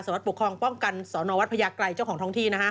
สวรรค์ปกครองป้องกันสวนวัดพระยากรัยเจ้าของท้องที่